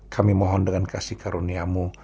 kami mohon dengan kasih karuniamu